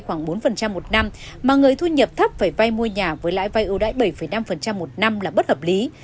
khoảng bốn một năm mà người thu nhập thấp phải vai mua nhà với lãi vai ưu đái bảy năm một năm là bất hợp lý